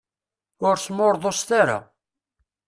Ur smurḍuset ara.